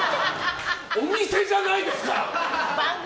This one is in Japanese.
お店じゃないですから！